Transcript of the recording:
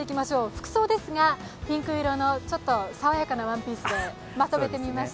服装ですがピンク色のちょっと爽やかなワンピースでまとめてみました。